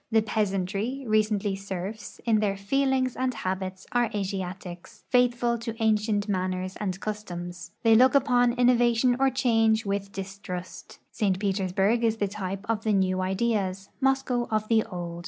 The peasantry, recently serfs, in their feelings and habits are Asiatics, fliithful to ancient manners and customs. They look upon innovation or change with distrust. St. Petersburg is the type of the new ideas, IMoscow of the old.